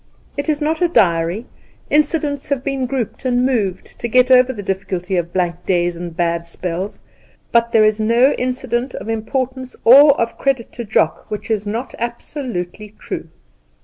It is not a diary: incidents have been grouped and moved to get over the difficulty of blank days and bad spells, but there is no incident of importance or of credit to Jock which is not absolutely true.